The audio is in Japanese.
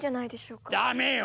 ダメよ！